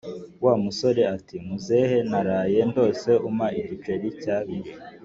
wa musore ati"muzehe naraye ndose umpa igiceri cy'abiri"!